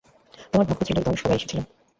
তোমার ভক্ত ছেলের দল সবাই এসেছিল।